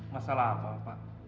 masalah apa pak